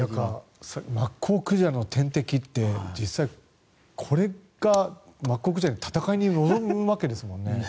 マッコウクジラの天敵ってこれがマッコウクジラに戦いに臨むわけですもんね。